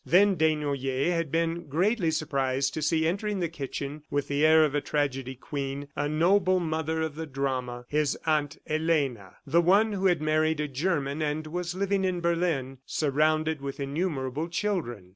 Then Desnoyers had been greatly surprised to see entering the kitchen with the air of a tragedy queen, a noble mother of the drama, his Aunt Elena, the one who had married a German and was living in Berlin surrounded with innumerable children.